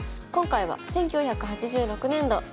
今回は１９８６年度